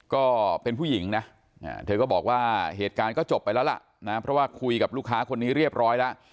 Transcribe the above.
ก็เป็นผู้หญิงนะเธอก็บอกว่าเหตุการณ์ก็จบไปแล้วล่ะนะเพราะว่าคุยกับลูกค้าคนนี้เรียบร้อยแล้ว